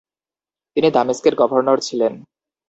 তিনি দামেস্কের গভর্নর ছিলেন।